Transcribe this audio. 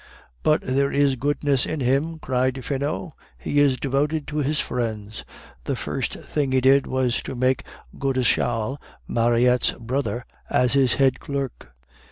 "But there is goodness in him," cried Finot; "he is devoted to his friends. The first thing he did was to take Godeschal, Mariette's brother, as his head clerk."